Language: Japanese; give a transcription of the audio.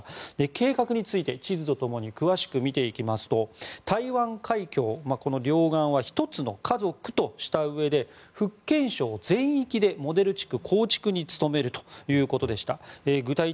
計画について地図と共に詳しく見ていきますと台湾海峡、この両岸は一つの家族としたうえで福建省全域でモデル地区構築に努めるということでした。